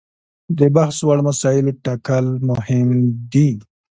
د بحث وړ مسایلو ټاکل مهم دي.